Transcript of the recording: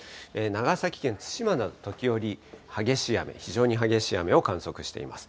長崎県対馬など、時折、激しい雨、非常に激しい雨を観測しています。